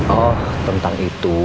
oh tentang itu